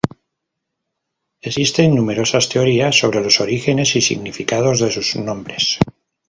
Existen numerosas teorías sobre los orígenes y significados de sus nombres.